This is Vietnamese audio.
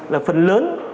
là phần lớn